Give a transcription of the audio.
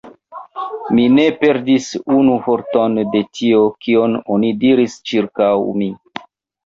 Mi ne perdis unu vorton de tio, kion oni diris ĉirkaŭ mi.